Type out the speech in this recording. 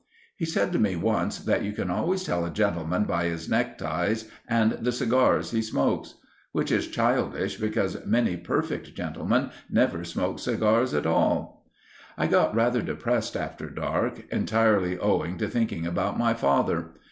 He said to me once that you can always tell a gentleman by his neckties and the cigars he smokes. Which is childish, because many perfect gentlemen never smoke cigars at all. I got rather depressed after dark—entirely owing to thinking about my father.